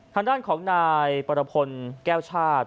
ทางด้านของนายปรพลแก้วชาติ